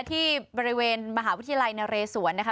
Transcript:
ที่บริเวณมหาวิทยาลัยนเรศวรนะคะ